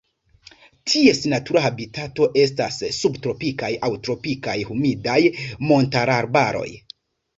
Ties natura habitato estas subtropikaj aŭ tropikaj humidaj montararbaroj.